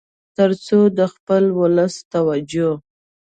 تر څو د خپل ولس توجه